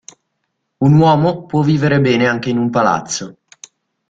Un uomo può vivere bene anche in un palazzo.